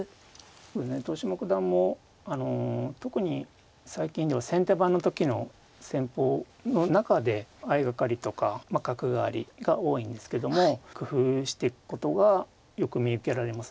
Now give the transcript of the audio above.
豊島九段もあの特に最近では先手番の時の戦法の中で相掛かりとか角換わりが多いんですけども工夫していくことがよく見受けられますね。